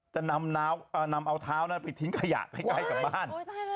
จะนำเอาเท้านั้นไปทิ้งขยะใกล้กับบ้าน